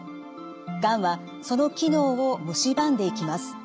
がんはその機能をむしばんでいきます。